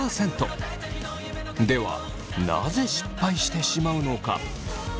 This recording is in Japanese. なぜ失敗してしまうのか。